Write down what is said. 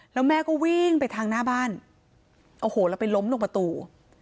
แล้วแม่ก็วิ่งไปทางหน้าบ้านโอ้โหแล้วไปล้มลงประตู